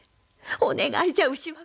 お願いじゃ牛若。